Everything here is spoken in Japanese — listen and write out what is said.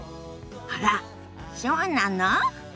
あらっそうなの？